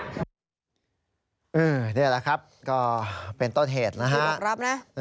นี่แหละครับก็เป็นต้นเหตุนะฮะ